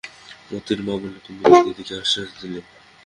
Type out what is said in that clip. মোতির মা বললে, তুমি তো দিদিকে আশ্বাস দিলে।